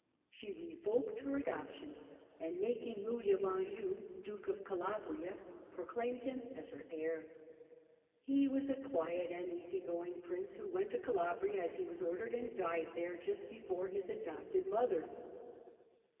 She revoked her adoption, and after ..... wards and makmg Louis of Anjou Duke of Calabria, proclaimed Louis of him as her heir. He was a quiet and easy going prince, "^°" who went to Calabria as he was ordered, and died there just before his adopted mother.